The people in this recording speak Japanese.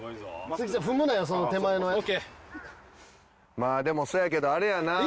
まあでもそやけどあれやなあ。